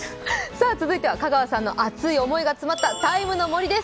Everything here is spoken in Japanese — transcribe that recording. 続いては香川さんの熱い思いが詰まった「ＴＩＭＥ，の森」です。